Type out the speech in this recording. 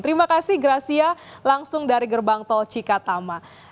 terima kasih gracia langsung dari gerbang tol cikatama